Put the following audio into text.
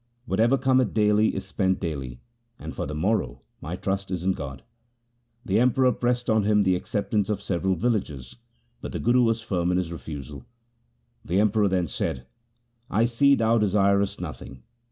What ever cometh daily is spent daily, and for the morrow my trust is in God.' The Emperor pressed on him the acceptance of several villages, but the Guru was firm in his refusal. The Emperor then said, ' I see thou desirest nothing.